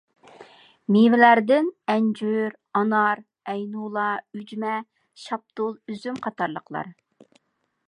مېۋىلەردىن ئەنجۈر، ئانار، ئەينۇلا، ئۈجمە، شاپتۇل، ئۈزۈم قاتارلىقلار.